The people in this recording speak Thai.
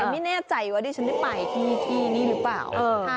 ไม่แน่ใจว่าดิฉันได้ไปที่นี่หรือเปล่า